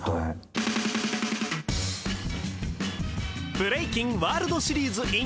ブレイキンワールドシリーズｉｎ